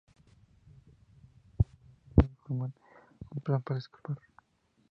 Todos se apresuran escaleras arriba y formulan un plan para escapar.